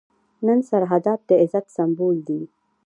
نن سرحدات د عزت سمبول دي.